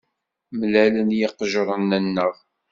Mlalen yiqejjiren-nneɣ.